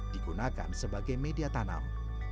digunakan sebagai media tanam